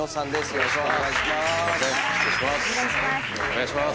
よろしくお願いします。